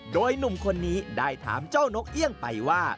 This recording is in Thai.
โดยหนุ่มคนนี้ได้ถามเจ้านกเอี่ยงไปว่า